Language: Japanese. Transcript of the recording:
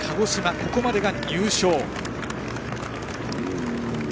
ここまでが入賞。